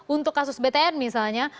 untuk kasus btn misalnya